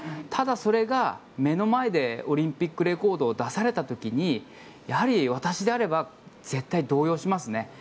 ただ、それが目の前でオリンピックレコードを出された時にやはり私であれば絶対に動揺しますね。